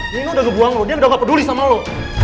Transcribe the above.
nino udah ngebuang lu dia udah gak peduli sama lu